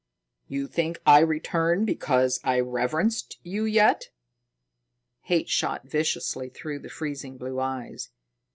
You think I returned because I reverenced you yet?" Hate shot viciously through the freezing blue eyes.